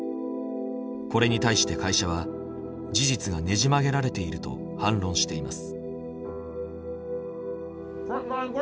これに対して会社は「事実がねじ曲げられている」と反論しています。